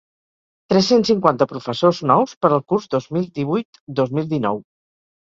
Tres-cents cinquanta professors nous per al curs dos mil divuit-dos mil dinou.